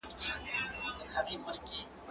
زه اوس بوټونه پاکوم!.